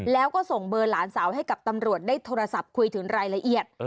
แล้วก็ส่งเบอร์หลานสาวให้กับตำรวจได้โทรศัพท์คุยถึงรายละเอียด